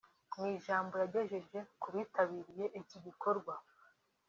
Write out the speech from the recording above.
Mu ijambo yagejeje ku bitabiriye iki gikorwa